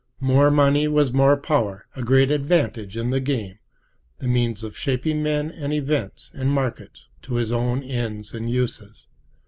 More money was more power, a great advantage in the game, the means of shaping men and events and markets to his own ends and uses.